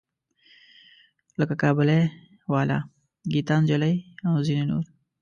لکه کابلی والا، ګیتا نجلي او ځینې نور.